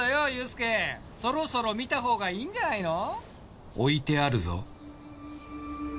助そろそろ見たほうがいいんじゃないの？